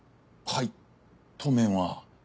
はい当面は。